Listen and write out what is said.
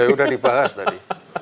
udah dibahas tadi